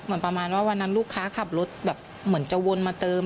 ประมาณว่าวันนั้นลูกค้าขับรถแบบเหมือนจะวนมาเติม